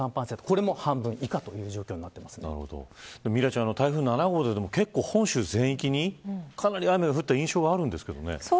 これも半分以下ミラさん台風７号で本州全域にかなり雨が降った印象があるんですけどね。